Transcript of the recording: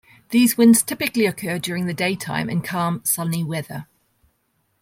These winds typically occur during the daytime in calm sunny weather.